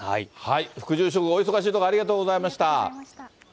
副住職、お忙しいところありがとうございました。